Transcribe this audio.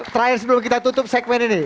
terakhir sebelum kita tutup segmen ini